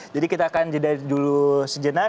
jadi kita akan jeda dulu sejenak